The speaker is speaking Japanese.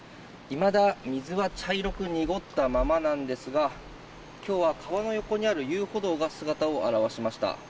いまだ水は茶色く濁ったままなんですが今日は川の横にある遊歩道が姿を現しました。